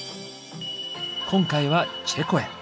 今回はチェコへ。